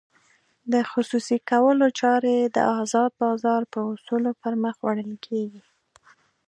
د خصوصي کولو چارې د ازاد بازار په اصولو پرمخ وړل کېږي.